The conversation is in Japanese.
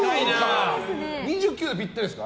２９がぴったりですか。